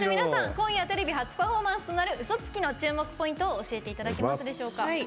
今夜テレビ初パフォーマンスとなる「うそつき」の注目ポイントを教えていただけますでしょうか。